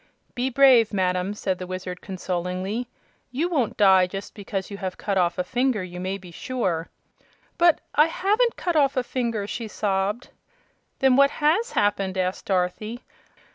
"Be brave, madam!" said the Wizard, consolingly. "You won't die just because you have cut off a finger, you may be sure." "But I haven't cut off a finger!" she sobbed. "Then what HAS happened?" asked Dorothy.